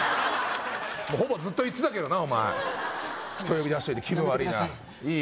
もうほぼずっと言ってたけどなお前人呼び出しといて気分悪いなお願いします